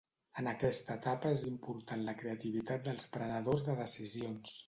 En aquesta etapa és important la creativitat dels prenedors de decisions.